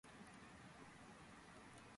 გავრცელებულნი არიან თითქმის მთელ მსოფლიოში.